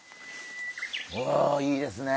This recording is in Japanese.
おいいですね。